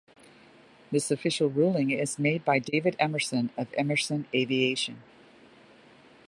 This official ruling is made by David Emerson of Emerson Aviation.